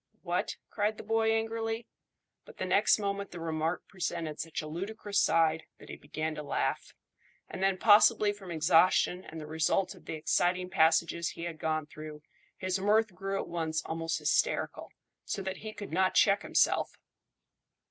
"What!" cried the boy angrily; but the next moment the remark presented such a ludicrous side that he began to laugh, and then, possibly from exhaustion and the result of the exciting passages he had gone through, his mirth grew at once almost hysterical, so that he could not check himself.